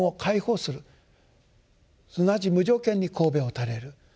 すなわち無条件にこうべを垂れる。